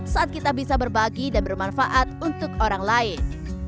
saat kita bisa berbagi dan bermanfaat untuk orang lain